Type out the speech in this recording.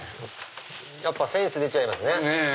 やっぱセンス出ちゃいますね。ねぇ！